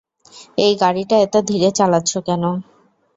এই গাড়িটা এতো ধীরে চালাচ্ছে কেন?